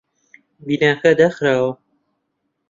بیناکە داخراوە.